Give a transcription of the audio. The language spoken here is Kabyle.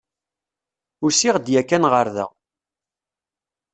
Usiɣ-d yakan ɣer da.